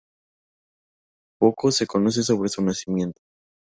Poco se conoce sobre su nacimiento.